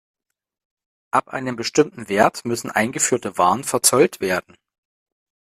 Ab einem bestimmten Wert müssen eingeführte Waren verzollt werden.